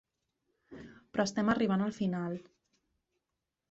Però estem arribant al final.